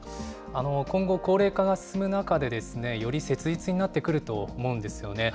今後、高齢化が進む中で、より切実になってくると思うんですよね。